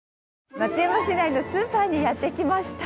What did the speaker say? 松山市内のスーパーにやって来ました。